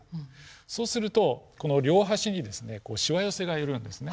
そうするとこの両端にですねしわ寄せが寄るんですね。